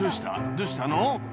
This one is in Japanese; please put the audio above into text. どうしたの？」